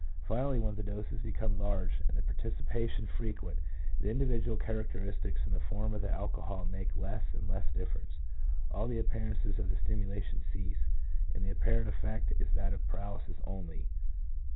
Finally, when the doses become large and the participation frequent, the individual characteristics, and the form of the alcohol make less and less difference. All the appearances of stimulation cease, and the apparent effect is that of paralysis only.